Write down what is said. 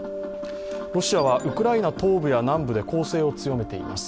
ロシアはウクライナ東部や南部で攻勢を強めています。